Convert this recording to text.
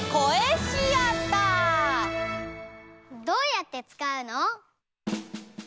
どうやってつかうの？